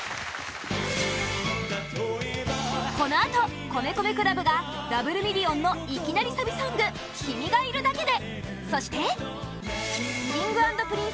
このあと米米ＣＬＵＢがダブルミリオンのいきなりサビソング「君がいるだけで」